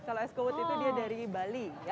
kalau es kuwut itu dia dari bali ya